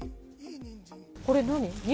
これ何？